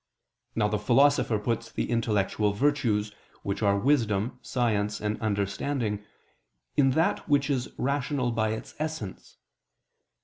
Now the Philosopher puts the intellectual virtues, which are wisdom, science and understanding, in that which is rational by its essence.